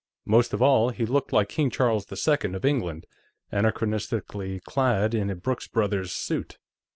Most of all, he looked like King Charles II of England anachronistically clad in a Brooks Brothers suit.